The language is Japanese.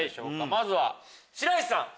まずは白石さん。